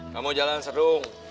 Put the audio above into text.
kamu jalan serung